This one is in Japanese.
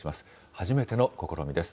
初めての試みです。